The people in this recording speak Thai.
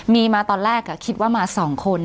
มีมาตอนแรกอ่ะคิดว่ามาสองคน